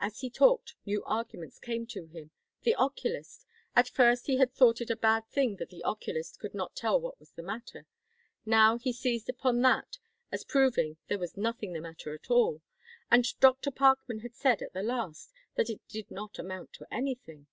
As he talked, new arguments came to him. The oculist! At first he had thought it a bad thing that the oculist could not tell what was the matter. Now he seized upon that as proving there was nothing the matter at all. And Dr. Parkman had said, at the last, that it did not amount to anything.